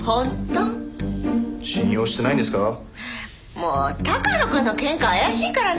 もう高野くんの見解怪しいからね。